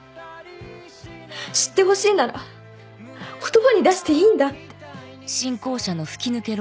知ってほしいなら言葉に出していいんだって。